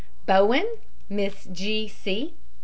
BOWEN, MISS G. C.